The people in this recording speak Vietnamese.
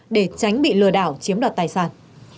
để tránh bị lừa đảo chiếm đoạt tài sản